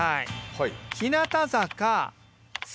はい。